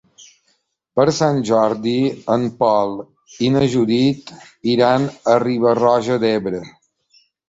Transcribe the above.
Per Sant Jordi en Pol i na Judit iran a Riba-roja d'Ebre.